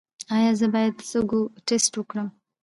ایا زه باید د سږو ټسټ وکړم؟